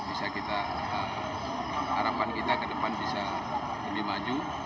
untuk harapan kita ke depan bisa lebih maju